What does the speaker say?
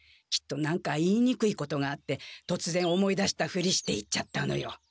きっと何か言いにくいことがあってとつぜん思い出したふりして行っちゃったのよ。